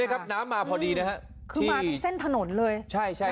นี้ครับน้ำมาพอดีนะครับในเส้นถนนเลยใช่ใช่